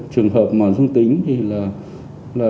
trường hợp mà dung tính thì là